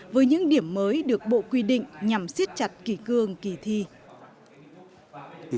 với những điểm mới được bộ quy định nhằm siết chặt kỳ cương kỳ thi